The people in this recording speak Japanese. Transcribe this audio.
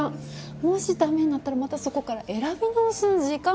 もしダメになったらまたそこから選び直しの時間。